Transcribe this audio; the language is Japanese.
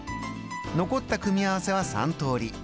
残った組み合わせは３通り。